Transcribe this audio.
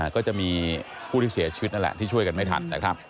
ก็จะมีผู้ที่เสียชีวิตนั่นแหละที่ช่วยกันไม่ทันนะครับ